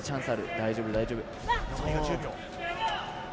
大丈夫、大丈夫。